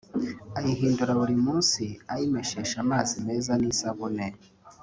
ayihindura buri munsi ayimeshesha amazi meza n’isabune